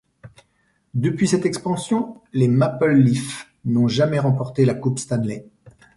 Depuis cette expansion, les Maple Leafs n'ont jamais remporté la Coupe Stanley.